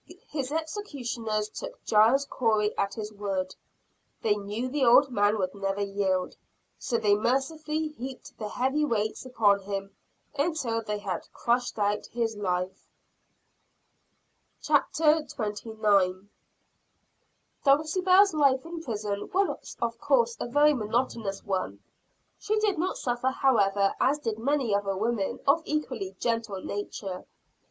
His executioners took Giles Corey at his word. They knew the old man would never yield. So they mercifully heaped the heavy weights upon him until they had crushed out his life. CHAPTER XXIX. Dulcibel's Life in Prison. Dulcibel's life in prison was of course a very monotonous one. She did not suffer however as did many other women of equally gentle nature.